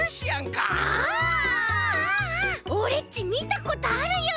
オレっちみたことあるよ！